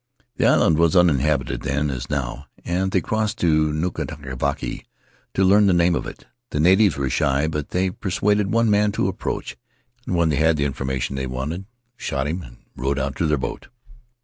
The island was uninhabited then as now, and they crossed to Nukatavake to learn the name of it. The natives were shy, but they per suaded one man to approach, and when they had the information they wanted, shot him and rowed out to their boat.